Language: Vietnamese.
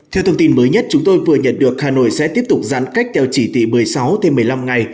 theo thông tin mới nhất chúng tôi vừa nhận được hà nội sẽ tiếp tục giãn cách theo chỉ thị một mươi sáu thêm một mươi năm ngày